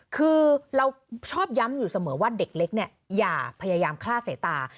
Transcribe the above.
คือเราชอบย้ำอยู่เสมอว่าเด็กเล็กเนี่ยอย่าพยายามฆ่าสายตา